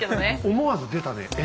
思わず出たね「え」